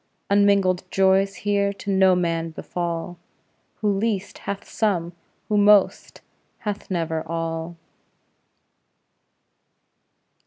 Unmingled joys here to no man befall; Who least, hath some; who most, hath never all.